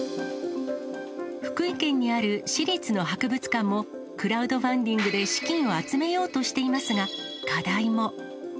福井県にある市立の博物館も、クラウドファンディングで資金を集めようとしていますが、課題も。